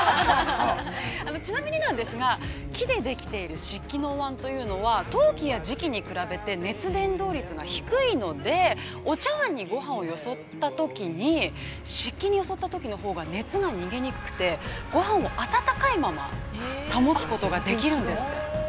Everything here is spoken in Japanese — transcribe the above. ◆ちなみになんですが、木でできている漆器のお椀というのは、陶器や磁器に比べて、熱伝導率が低いので、お茶わんに、ごはんをよそったときに、漆器によそったときのほうが熱が逃げにくくて、ごはんを温かいまま保つことができるんですって。